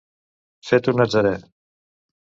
Fet un natzarè.